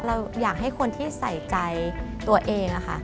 เราอยากให้คนที่ใส่ใจตัวเองค่ะ